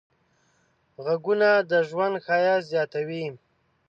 غږونه د ژوند ښایست زیاتوي.